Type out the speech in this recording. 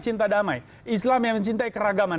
cinta damai islam yang mencintai keragaman